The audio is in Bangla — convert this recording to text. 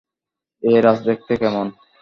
এই রাজ দেখতে কেমন?